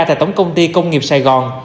tại tổng công ty công nghiệp sài gòn